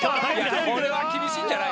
これは厳しいんじゃない？